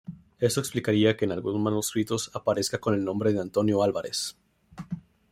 Esto explicaría que, en algunos manuscritos, aparezca con el nombre de Antonio Álvarez.